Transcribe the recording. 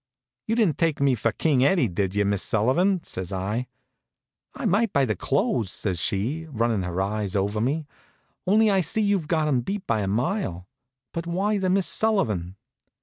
"You didn't take me for King Eddie, did you, Miss Sullivan?" says I. "I might by the clothes," says she, runnin' her eyes over me, "only I see you've got him beat a mile. But why the Miss Sullivan?"